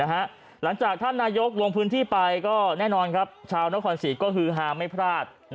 หลังจากท่านนายกวิธีไปก็แน่นอนชาวน้องคนศรีก็คือหามไม่พลาด